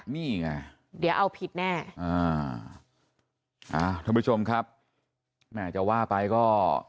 นี่ไงเดี๋ยวเอาผิดแน่อ่าอ่าท่านผู้ชมครับแม่จะว่าไปก็